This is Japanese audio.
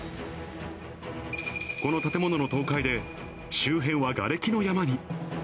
この建物の倒壊で、周辺はがれきの山に。